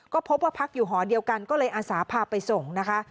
ก็พบว่าพักอยู่หอเดียวกันก็เลยอาสาพาไปส่งนะคะ